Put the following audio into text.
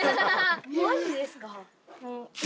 マジですか。